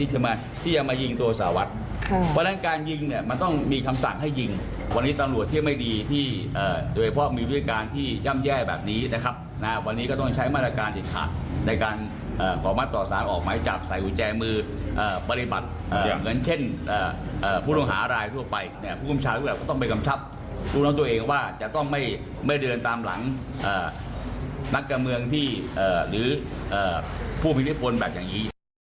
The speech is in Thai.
หาอะไรทั่วไปผู้คุมชาติก็ต้องไปกำชับรู้น้องตัวเองว่าจะต้องไม่เดินตามหลังนักกระเมืองหรือผู้มีอิทธิพลแบบนี้